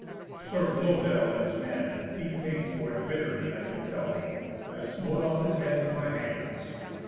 "Sir Blœdel and his men. He paid for it bitterly, I can tell thee. I smote off his head with my hands."